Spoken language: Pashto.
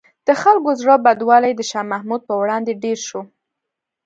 د خلکو زړه بدوالی د شاه محمود په وړاندې ډېر شو.